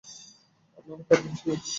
আপনার কাজের বিশাল ভক্ত।